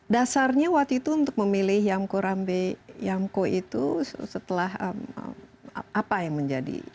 dasarnya waktu itu untuk memilih yamko rambe yamko itu setelah apa yang menjadi